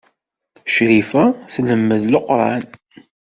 Crifa telmed Leqran.